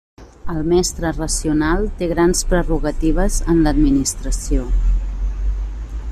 El Mestre racional té grans prerrogatives en l'administració.